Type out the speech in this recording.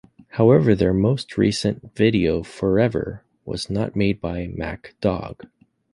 However, their most recent video, "Forever", was not made by Mack Dawg.